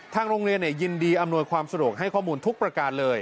ทางโรงเรียนยินดีอำนวยความสะดวกให้ข้อมูลทุกประการเลย